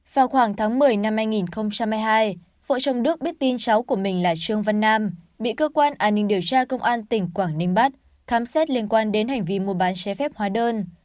vào khoảng tháng một mươi năm hai nghìn hai mươi hai vợ chồng đức biết tin cháu của mình là trương văn nam bị cơ quan an ninh điều tra công an tỉnh quảng ninh bắt khám xét liên quan đến hành vi mua bán chế phép hóa đơn